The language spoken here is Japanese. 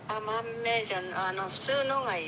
「普通のがいい」。